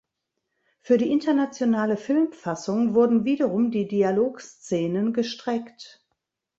Für die internationale Filmfassung wurden wiederum die Dialogszenen gestreckt.